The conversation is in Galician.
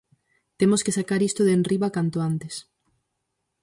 Temos que sacar isto de enriba canto antes.